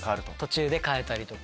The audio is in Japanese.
途中で変えたりとか。